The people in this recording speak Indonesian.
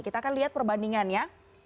kita akan lihat perbandingannya